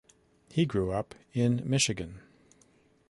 He grew up in Michigan.